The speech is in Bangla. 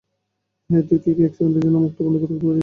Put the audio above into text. হেই, তুই কি এক সেকেন্ডের জন্যেও মুখটা বন্ধ রাখতে পারিস না?